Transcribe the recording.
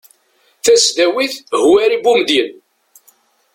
tasdawit hwari bumedyen